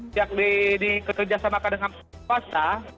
pihak dikerjasamakan dengan swasta